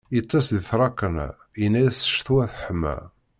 Iṭṭes di tṛakna, yenna-as ccetwa teḥma.